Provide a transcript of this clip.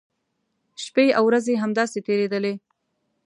شپی او ورځې همداسې تېریدلې.